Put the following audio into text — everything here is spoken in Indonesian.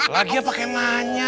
lagi ya pakai manya